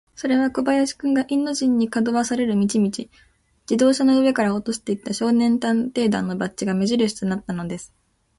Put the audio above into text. それは小林君が、インド人に、かどわかされる道々、自動車の上から落としていった、少年探偵団のバッジが目じるしとなったのです。